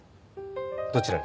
どちらに？